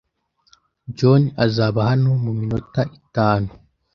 John azaba hano muminota itanu.